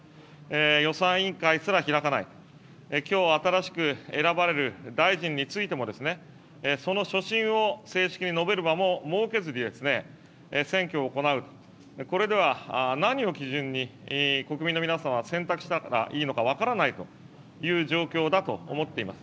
予算委員会すら開かない、きょう新しく選ばれる大臣についても、その所信を正式に述べる場も設けずに選挙を行うと、これでは、何を基準に、国民の皆さんは選択したらいいのか分からないという状況だと思っています。